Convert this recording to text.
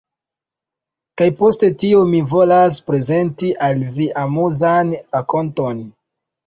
kaj post tio mi volas prezenti al vi amuzan rakonton.